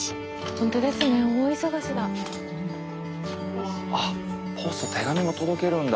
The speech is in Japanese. ホントですね大忙しだ。